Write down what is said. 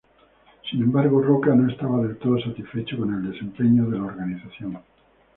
Sin embargo, Rocca no estaba del todo satisfecho con el desempeño de la organización.